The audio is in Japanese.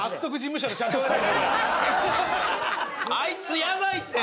あいつやばいって！